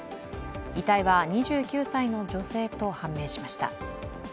遺体は２９歳の女性と判明しました。